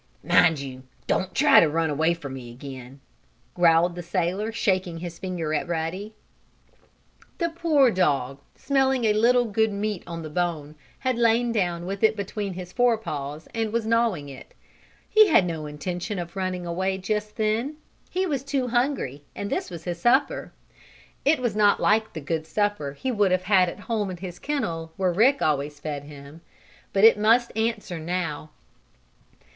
"Mind you don't try to run away from me again!" growled the sailor, shaking his finger at Ruddy. The poor dog, smelling a little good meat on the bone, had lain down with it between his fore paws and was gnawing it. He had no intention of running away just then. He was too hungry, and this was his supper. It was not like the good supper he would have had at home in his kennel, where Rick always fed him. But it must answer now.